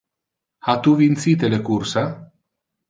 Ha tu vincite le cursa?